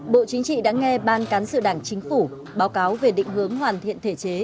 bộ chính trị đã nghe ban cán sự đảng chính phủ báo cáo về định hướng hoàn thiện thể chế